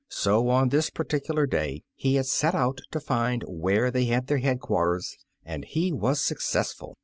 So, on this particular day^ he had set out to find where they had their headquarters, and he was successful.